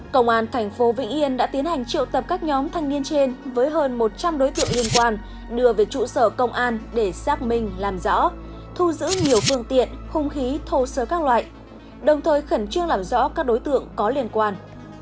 công an thành phố vĩnh yên đã tiến hành triệu tập các nhóm thanh niên trên với hơn một trăm linh đối tượng liên quan đưa về trụ sở công an để xác minh làm rõ thu giữ nhiều phương tiện khung khí thô sơ các loại đồng thời khẩn trương làm rõ các đối tượng có liên quan